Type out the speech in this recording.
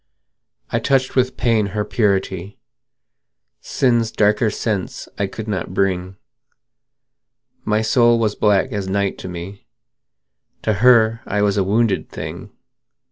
I touched with pain her purity; Sin's darker sense I could not bring: My soul was black as night to me: To her I was a wounded thing.